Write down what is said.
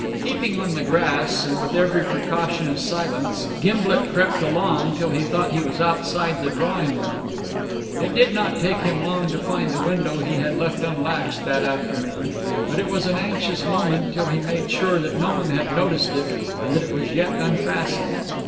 Keeping on the grass, and with every precaution of silence, Gimblet crept along till he thought he was outside the drawing room. It did not take him long to find the window he had left unlatched that afternoon, but it was an anxious moment till he made sure that no one had noticed it and that it was yet unfastened.